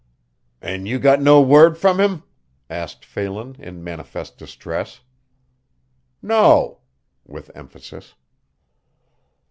"An' you got no word from him?" asked Phelan, in manifest distress. "No," with emphasis.